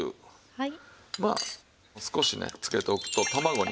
はい。